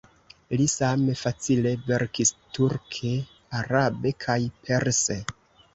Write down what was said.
Li same facile verkis turke, arabe kaj perse.